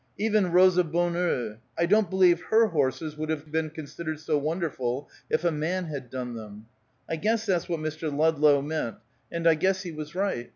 Even Rosa Bonheur: I don't believe her horses would have been considered so wonderful if a man had done them. I guess that's what Mr. Ludlow meant, and I guess he was right.